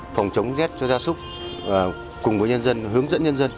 phòng chống rét cho gia súc cùng với nhân dân hướng dẫn nhân dân